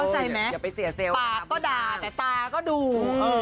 เข้าใจไหมปากก็ด่าแต่ตาก็ดู